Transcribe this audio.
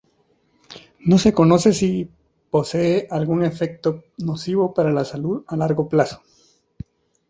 No se conoce si posee algún efecto nocivo para la salud a largo plazo.